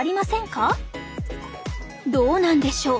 どうなんでしょう？